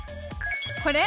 これ？